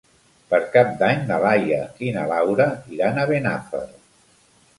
Per Cap d'Any na Laia i na Laura iran a Benafer.